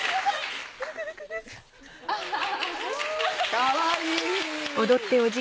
かわいい。